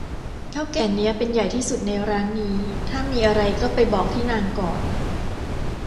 เถ้าแก่เนี้ยเป็นใหญ่ที่สุดในร้านนี้ ถ้ามีอะไรก็ไปบอกที่นางก่อน